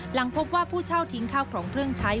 หลังพบว่าผู้เช่าทิ้งข้าวของเครื่องใช้